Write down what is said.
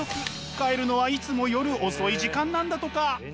帰るのはいつも夜遅い時間なんだとか！